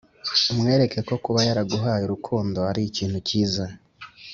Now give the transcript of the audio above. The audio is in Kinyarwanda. umwereke ko kuba yaraguhaye urukundo ari ikintu kiza